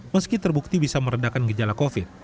meski terbukti bisa meredakan gejala covid